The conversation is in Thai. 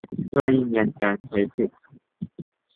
เพื่อยืนยันการใช้สิทธิ